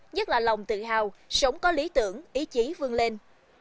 nhất là lòng tự hào sống có lý tưởng ý chí vương lên